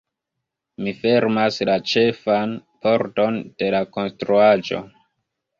Mi fermas la ĉefan pordon de la konstruaĵo.